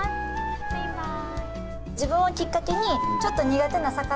バイバイ。